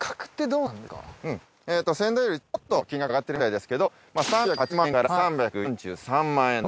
うん先代よりちょっと金額上がってるみたいですけど３０８万円から３４３万円と。